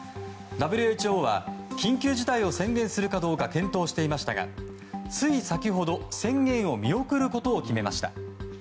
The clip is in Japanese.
ＷＨＯは緊急事態を宣言するかどうか検討していましたがつい先ほど見送ることを決定しました。